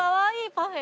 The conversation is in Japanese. パフェ。